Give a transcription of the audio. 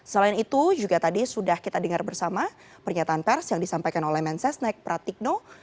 selain itu juga tadi sudah kita dengar bersama pernyataan pers yang disampaikan oleh mensesnek pratikno